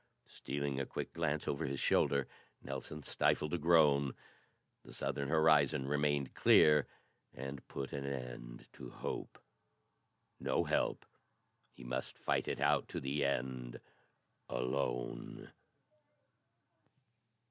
Stealing a quick glance over his shoulder, Nelson stifled a groan. The southern horizon remained clear, and put an end to hope. No help! He must fight it out to the end alone.